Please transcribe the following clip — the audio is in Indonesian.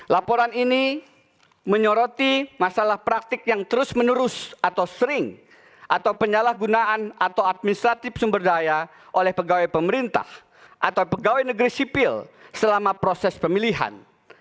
laporan ini menyoroti masalah praktik yang terus menerus atau sering atau penyalahgunaan atau administratif sumber daya oleh pegawai pemerintah atau pegawai negeri sipil selama proses pemilihan